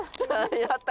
「やったー！